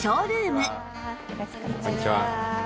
こんにちは。